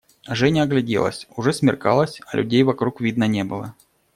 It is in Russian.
Женя огляделась: уже смеркалось, а людей вокруг видно не было.